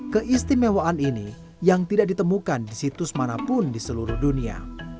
keistimewaan ini yang tidak ditemukan di situs manapun di seluruh dunia